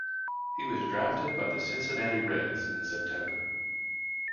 He was drafted by the Cincinnati Reds in September.